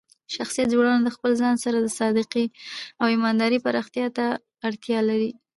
شخصیت جوړونه د خپل ځان سره د صادقۍ او ایماندارۍ پراختیا ته اړتیا لري.